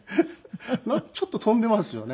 なんかちょっと飛んでますよね。